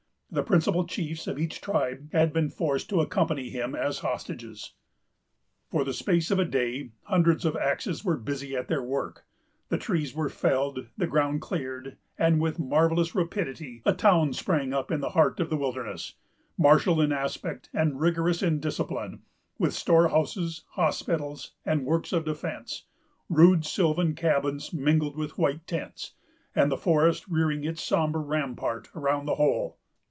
The principal chiefs of each tribe had been forced to accompany him as hostages. For the space of a day, hundreds of axes were busy at their work. The trees were felled, the ground cleared, and, with marvellous rapidity, a town sprang up in the heart of the wilderness, martial in aspect and rigorous in discipline; with storehouses, hospitals, and works of defence, rude sylvan cabins mingled with white tents, and the forest rearing its sombre rampart around the whole.